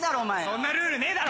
そんなルールねえだろ！